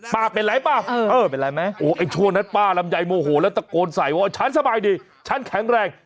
ป้าเป็นไรป้าโอ้ไอ้ชั่วนัดป้าลำใยโมโหแล้วตะโกนใส่ว่าฉันสบายดีฉันแข็งแรง